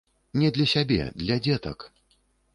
Не для сябе, для дзетак.